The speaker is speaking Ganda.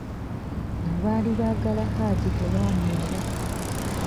Abaali baagala Haji tebaamulaba.